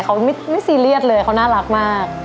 เขาไม่ซีเรียสเลยเขาน่ารักมาก